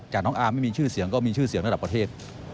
แต่น้องอาร์มไม่มีชื่อเสียงก็มีชื่อเสียงระดับประเทศ